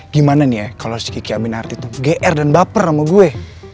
gimana nih ya kalau si kiki amin arti tuh gr dan baper sama gue